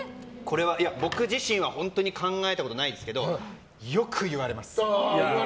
僕自身は考えたことないんですけどよく言われます。